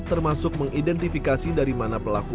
termasuk mengidentifikasi dari mana pelaku